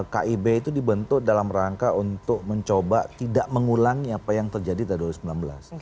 kib itu dibentuk dalam rangka untuk mencoba tidak mengulangi apa yang terjadi pada dua ribu sembilan belas